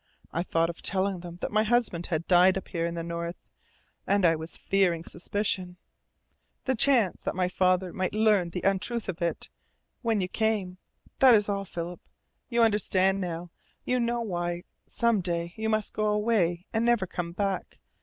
I thought of telling them that my husband had died up here in the North. And I was fearing suspicion ... the chance that my father might learn the untruth of it, when you came. That is all, Philip. You understand now. You know why some day you must go away and never come back.